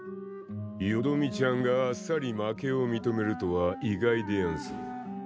よどみちゃんがあっさり負けを認めるとは意外でやんす。